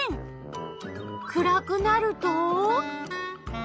暗くなると？